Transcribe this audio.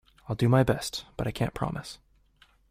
I'll do my best, but I can't promise.